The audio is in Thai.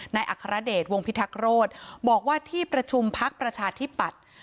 อัครเดชวงพิทักษโรธบอกว่าที่ประชุมพักประชาธิปัตย์